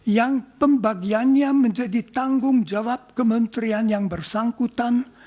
yang pembagiannya menjadi tanggung jawab kementerian yang bersangkutan